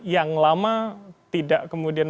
yang lama tidak kemudian